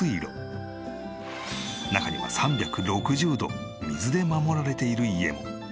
中には３６０度水で守られている家も。